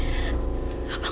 sudah belasan tahun